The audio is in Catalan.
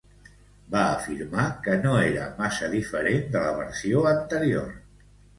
Va afirmar que no era massa diferent de la versió anterior.